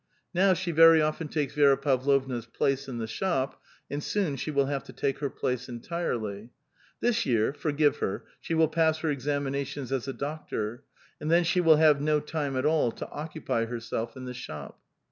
Now she very often takes Vi6ra Pavlovna's place in the shop, and soon she will have to take her place entirely. This year — forgive her — she will pass her examinatit/us as a doctor; and then she will have no time at all to occupy herself in the shop.